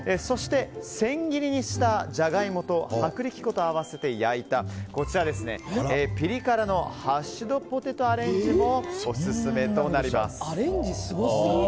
千切りにしたジャガイモと薄力粉を合わせて焼いたこちら、ピリ辛のハッシュドポテトアレンジもオススメとなります。